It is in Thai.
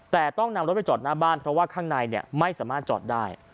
แต่ต้องนำรถไปจอดหน้าบ้านเพราะว่าข้างในไม่สามารถจอดได้